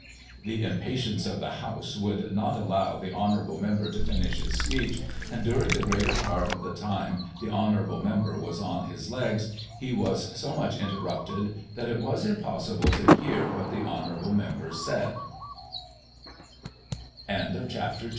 (Tie im patience of the House would not allow the hon, member to , finish his speech; and during the greater part of the time \the hon, member was on his legSy he was so much interrupted that it was impossible to hear what the hon, member said)'* Digitized by Google 23 CHAPTER III.